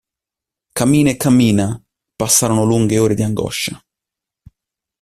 Cammina e cammina, passarono lunghe ore di angoscia.